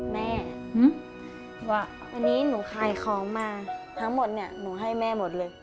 แม่ว่าอันนี้หนูขายของมาทั้งหมดเนี่ยหนูให้แม่หมดเลย